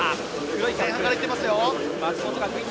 前半からいっていますよ。